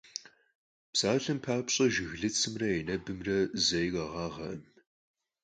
Псалъэм папщӀэ, жыглыцымрэ енэбымрэ зэи къэгъагъэркъым.